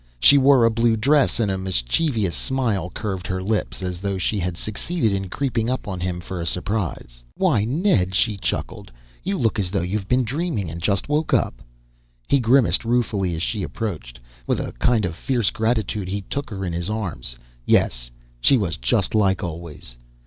She wore a blue dress, and a mischievous smile curved her lips. As though she had succeeded in creeping up on him, for a surprise. "Why, Ned," she chuckled. "You look as though you've been dreaming, and just woke up!" He grimaced ruefully as she approached. With a kind of fierce gratitude, he took her in his arms. Yes, she was just like always.